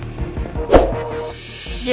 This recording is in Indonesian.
jadi seperti itu kejadiannya